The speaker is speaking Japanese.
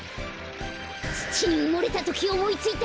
つちにうもれたときおもいついた